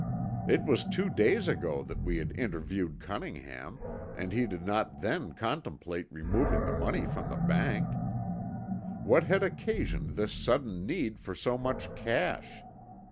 It was two days ago that we had interviewed Cunningham and he did not then contemplate removing the money from the bank. What had occasioned this sudden need for so much cash?